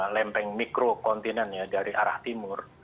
lempeng mikrokontinen ya dari arah timur